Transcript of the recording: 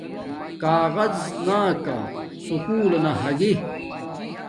کاغظ نا کا سکُول لنا ھاگی